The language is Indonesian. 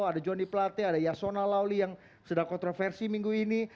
ada joni plate ada yasona lawli yang sedang kontroversi minggu ini